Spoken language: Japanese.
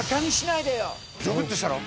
ゾクッとしたろ？